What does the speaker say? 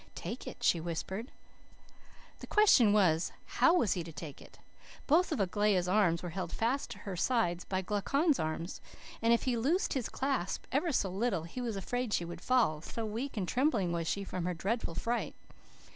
"'Take it,' she whispered. "The question was how was he to take it? Both of Aglaia's arms were held fast to her sides by Glaucon's arms; and if he loosened his clasp ever so little he was afraid she would fall, so weak and trembling was she from her dreadful fright.